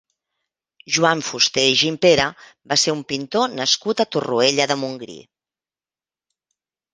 Joan Fuster i Gimpera va ser un pintor nascut a Torroella de Montgrí.